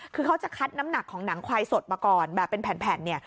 คือเขาจะคัดน้ำหนักของหนังควายสดมาก่อนแบบเป็นแผ่นเนี่ย